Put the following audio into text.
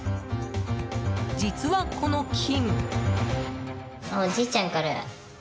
実は、この金。